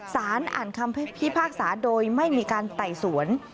สารอ่านคำพิพากษาโดยไม่มีการไต่สวน